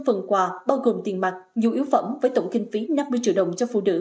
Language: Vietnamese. một trăm linh phần quà bao gồm tiền mặt dù yếu phẩm với tổng kinh phí năm mươi triệu đồng cho phụ nữ